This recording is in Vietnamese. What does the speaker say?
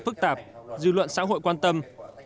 phức tạp dư luận xã hội quan tâm